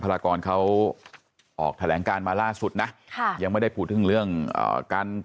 ลากรเขาออกแถลงการมาล่าสุดนะค่ะยังไม่ได้พูดถึงเรื่องการ